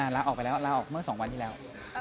ลาออกไปแล้วลาออกเมื่อ๒วันที่แล้ว